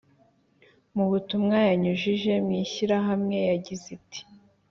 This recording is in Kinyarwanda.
Mu butumwa yanyujije mwishyirahamwe yagize iti